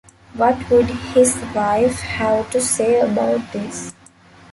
What would his wife have to say about this?